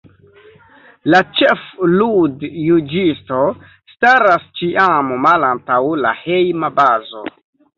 La ĉef-ludjuĝisto staras ĉiam malantaŭ la Hejma Bazo.